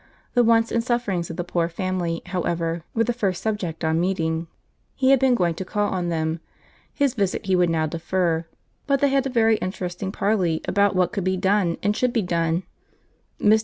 The wants and sufferings of the poor family, however, were the first subject on meeting. He had been going to call on them. His visit he would now defer; but they had a very interesting parley about what could be done and should be done. Mr.